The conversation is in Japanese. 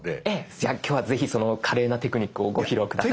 じゃあ今日はぜひその華麗なテクニックをご披露下さい。